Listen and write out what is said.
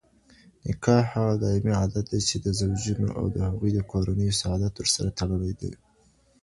نکاح هغه دائمي عقددی، چي د زوجينو او دهغوی دکورنيو سعادت ورسره تړلی دی